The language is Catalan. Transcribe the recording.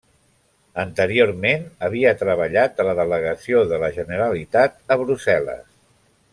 Anteriorment, havia treballat a la Delegació de la Generalitat a Brussel·les.